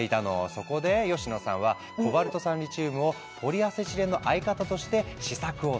そこで吉野さんはコバルト酸リチウムをポリアセチレンの相方として試作をスタート。